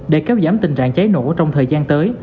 để kéo giảm tình trạng cháy nổ trong thời gian tới